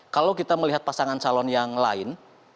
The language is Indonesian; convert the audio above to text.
kalau kita melihat pasangan calon yang lain